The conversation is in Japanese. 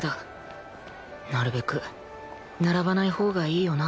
なるべく並ばないほうがいいよな